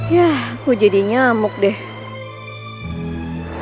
yah gua jadi nyamuk deh